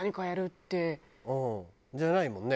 じゃないもんね。